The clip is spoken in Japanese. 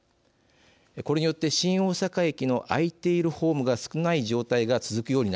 これによって新大阪駅の空いているホームが少ない状態が続くようになりました。